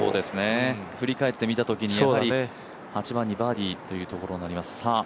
振り返ってみたときに、８番にバーディーというところになります。